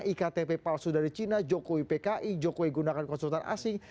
iktp palsu dari cina jokowi pki jokowi gunakan konsultan asing